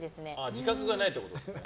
自覚がないってことですね。